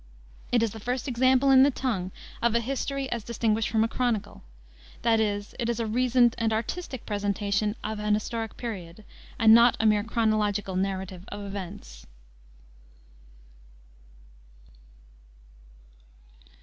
It is the first example in the tongue of a history as distinguished from a chronicle; that is, it is a reasoned and artistic presentation of an historic period, and not a mere chronological narrative of events.